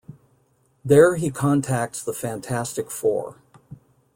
There he contacts the Fantastic Four.